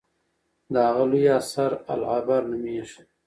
د هغه لوی اثر العبر نومېږي.